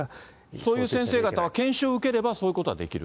そういう先生方は研修を受ければ、そういうことはできる？